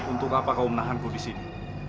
untuk apa kau menahanku disini